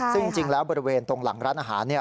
ซึ่งจริงแล้วบริเวณตรงหลังร้านอาหารเนี่ย